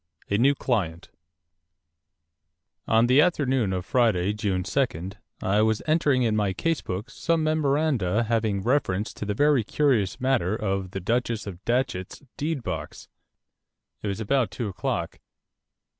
A NEW CLIENT On the afternoon of Friday, June 2, 18 , I was entering in my case book some memoranda having reference to the very curious matter of the Duchess of Datchet's Deed box. It was about two o'clock.